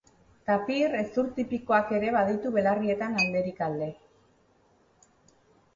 Tapir hezur tipikoak ere baditu belarrietan alderik alde.